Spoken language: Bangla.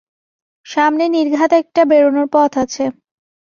সামনে নির্ঘাত একটা বেরোনোর পথ আছে।